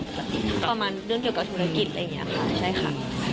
ประมาณเรื่องเกี่ยวกับธุรกิจอะไรอย่างนี้ค่ะใช่ค่ะ